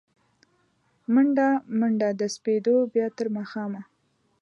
مڼډه، منډه د سپېدو، بیا تر ماښامه